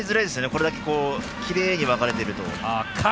これだけきれいに分かれていると。